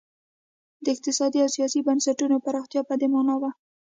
د اقتصادي او سیاسي بنسټونو پراختیا په دې معنا وه.